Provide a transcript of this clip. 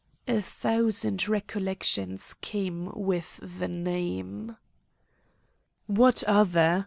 A thousand recollections came with the name. "What other?"